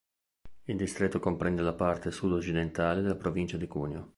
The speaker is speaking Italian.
Il distretto comprende la parte sud-occidentale della provincia di Cuneo.